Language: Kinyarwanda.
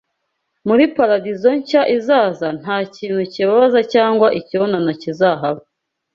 Muri paradizo nshya izaza nta kintu kibabaza cyangwa icyonona kizahaba